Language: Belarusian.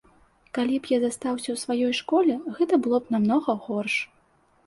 Калі б я застаўся ў сваёй школе, гэта было б намнога горш.